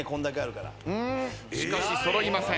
しかし揃いません。